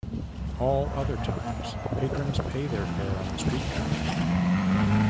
All other times, patrons pay their fare on the streetcar.